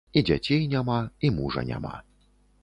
І дзяцей няма, і мужа няма.